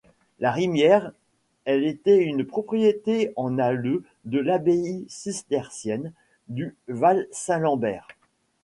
La Rimière, elle était une propriété en alleu de l’abbaye cistercienne du Val-Saint-Lambert.